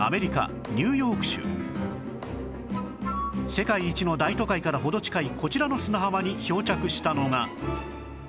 世界一の大都会から程近いこちらの砂浜に漂着したのが